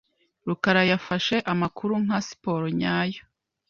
rukarayafashe amakuru nka siporo nyayo.